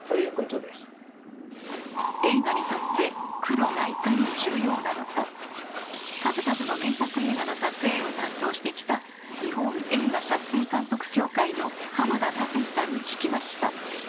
映画にとって「黒」がいかに重要なのか数々の名作映画の撮影を担当してきた日本映画撮影監督協会の浜田毅さんに聞きました。